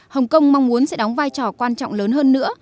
hồng kông mong muốn sẽ đóng vai trò quan trọng lớn hơn nữa